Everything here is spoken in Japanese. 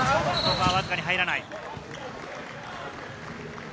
ここはわずかに入らない。